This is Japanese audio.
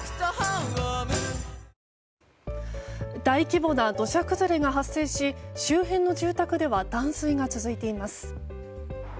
大規模な土砂崩れが発生し周辺の住宅では断水が続いています。